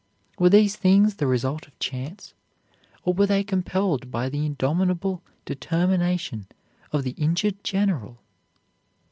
Were these things the result of chance, or were they compelled by the indominable determination of the injured General?